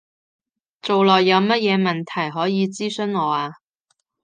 做落有乜嘢問題，可以諮詢我啊